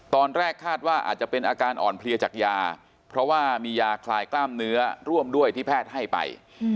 ตอนแรกคาดว่าอาจจะเป็นอาการอ่อนเพลียจากยาเพราะว่ามียาคลายกล้ามเนื้อร่วมด้วยที่แพทย์ให้ไป